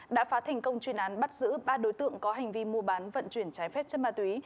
đã phá thành công chuyên án bắt giữ ba đối tượng có hành vi mua bán vận chuyển trái phép chất ma túy